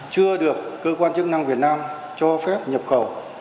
chưa được cơ quan chức năng việt nam cho phép nhập khẩu